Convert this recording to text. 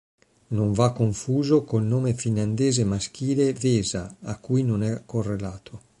Non va confuso col nome finlandese maschile "Vesa", a cui non è correlato.